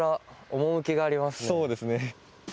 そうですね。